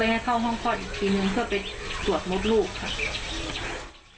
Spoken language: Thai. ให้เข้าห้องคลอดอีกทีนึงเพื่อไปตรวจมดลูกค่ะ